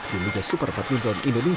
di liga super padminton indonesia